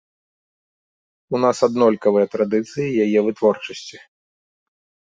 У нас аднолькавыя традыцыі яе вытворчасці.